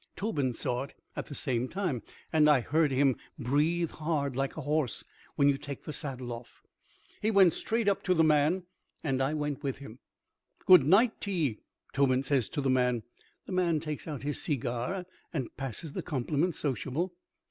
Tobin saw it at the same time, and I heard him breathe hard like a horse when you take the saddle off. He went straight up to the man, and I went with him. "Good night to ye," Tobin says to the man. The man takes out his segar and passes the compliments, sociable.